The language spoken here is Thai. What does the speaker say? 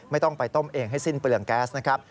ไม่ต้องไปต้มเองให้สิ้นเปลืองแก๊สนะครับ